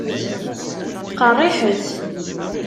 Qeṛṛiḥet.